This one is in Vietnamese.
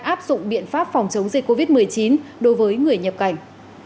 áp dụng biện pháp phòng chống dịch covid một mươi chín đối với người nhập cảnh